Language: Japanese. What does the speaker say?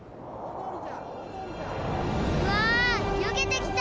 うわよけてきた！